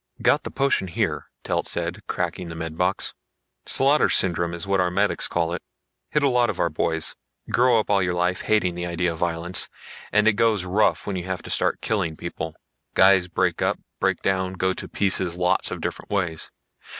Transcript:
"Got the potion here," Telt said, cracking the med box. "Slaughter syndrome is what our medic calls it. Hit a lot of our boys. Grow up all your life hating the idea of violence, and it goes rough when you have to start killing people. Guys break up, break down, go to pieces lots of different ways.